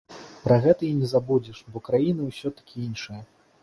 Пра гэта і не забудзеш, бо краіна ўсё-ткі іншая.